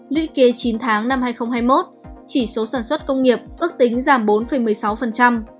lũy kế chín tháng năm hai nghìn hai mươi một chỉ số sản xuất công nghiệp ước tính giảm bốn một mươi sáu